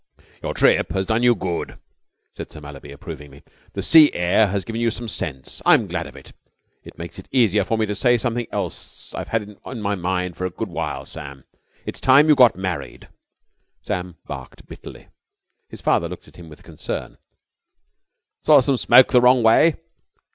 "Your trip has done you good," said Sir Mallaby approvingly. "The sea air has given you some sense. I'm glad of it. It makes it easier for me to say something else that I've had on my mind for a good while. Sam, it's time you got married." Sam barked bitterly. His father looked at him with concern. "Swallow some smoke the wrong way?"